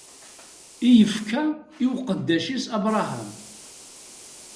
I yefka i uqeddac-is Abraham.